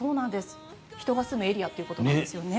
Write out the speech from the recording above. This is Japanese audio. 人が住むエリアということですよね。